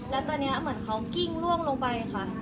แล้วตอนนี้เหมือนเขากิ้งล่วงลงไปค่ะ